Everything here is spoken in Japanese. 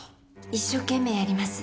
一生懸命やります。